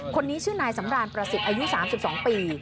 คนนี้ชื่อนายสำรานประสิทธิ์อายุ๓๒ปี